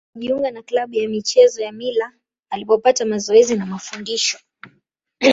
Alijiunga na klabu ya michezo ya Mila alipopata mazoezi na mafundisho.